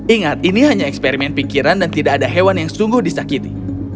ingat ini hanya eksperimen pikiran dan tidak ada hewan yang sungguh disakiti